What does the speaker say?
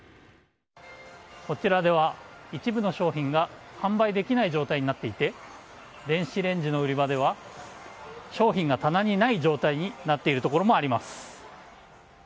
こちらでは一部の商品が販売できない状態になっていて、電子レンジの売り場では、商品が棚にない状態になっているところもあります。